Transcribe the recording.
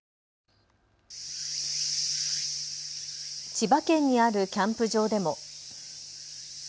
千葉県にあるキャンプ場でも。